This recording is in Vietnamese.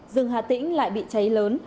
rừng hà tĩnh lại bị cháy lớn